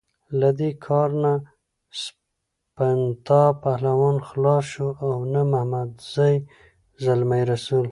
له دې کار نه سپنتا پهلوان خلاص شو او نه محمدزی زلمی رسول.